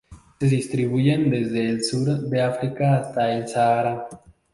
Se distribuyen desde el sur de África hasta el Sahara.